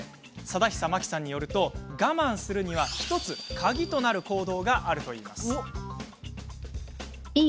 佐田久真貴さんによると我慢するには、１つカギとなる行動があるといいます。